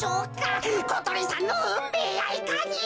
ことりさんのうんめいやいかに！？